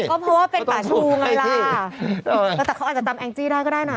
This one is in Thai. ก็เพราะว่าเป็นป่าชูเงินลา